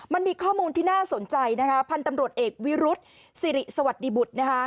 มันมีข้อมูลที่น่าสนใจนะคะพันธุ์ตำรวจเอกวิรุธสิริสวัสดิบุตรนะคะ